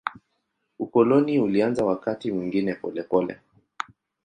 Ukoloni ulianza wakati mwingine polepole.